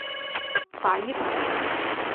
法伊岛。